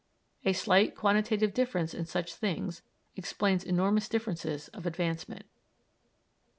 A slight quantitative difference in such things explains enormous differences of advancement.